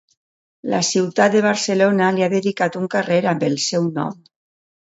La ciutat de Barcelona li ha dedicat un carrer amb el seu nom.